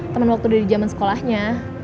temen waktu dari jaman sekolahnya